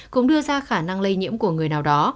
cũng đưa ra khả năng lây nhiễm của người nào đó